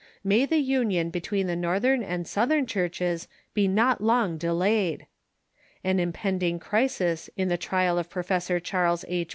May the union between the Northern and Southern churches be not long delayed ! An impending crisis in the trial of Professor Charles H.